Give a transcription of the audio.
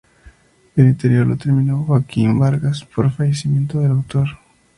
El interior lo terminó Joaquín Vargas por fallecimiento del autor.